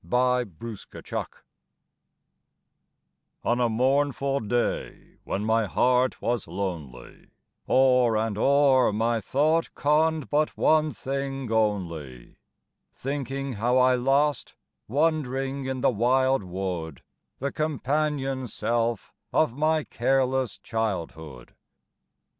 POOR CHILD On a mournful day When my heart was lonely, O'er and o'er my thought Conned but one thing only, Thinking how I lost Wand'ring in the wild wood The companion self Of my careless childhood.